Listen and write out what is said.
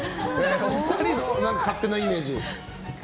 お二人の勝手なイメージは？